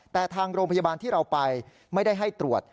แต่ทางโรงพยาบาลที่เราไปไม่ได้ให้ตรวจ